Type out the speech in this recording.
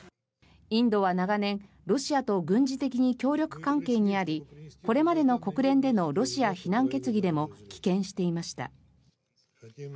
インドは長年、ロシアと軍事的に協力関係にありこれまでの国連でのロシア非難決議でも棄権していました。